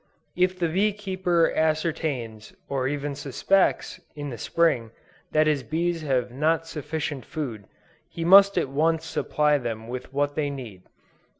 If the bee keeper ascertains or even suspects, in the Spring, that his bees have not sufficient food, he must at once supply them with what they need.